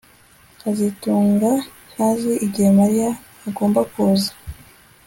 kazitunga ntazi igihe Mariya agomba kuza